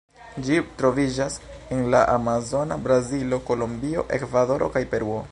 Ĝi troviĝas en la amazona Brazilo, Kolombio, Ekvadoro kaj Peruo.